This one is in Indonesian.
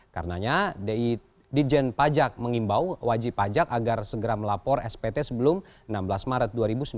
karenanya dijen pajak mengimbau wajib pajak agar segera melapor spt sebelum enam belas maret dua ribu sembilan belas